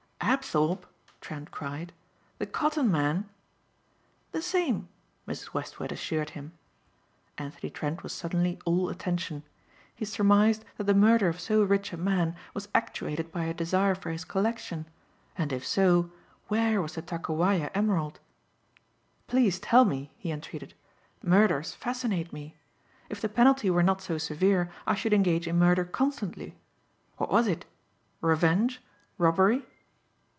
"Apthorpe?" Trent cried. "The cotton man?" "The same," Mrs. Westward assured him. Anthony Trent was suddenly all attention. He surmised that the murder of so rich a man was actuated by a desire for his collection. And if so, where was the Takowaja emerald? "Please tell me," he entreated, "murders fascinate me. If the penalty were not so severe I should engage in murder constantly. What was it? Revenge? Robbery?"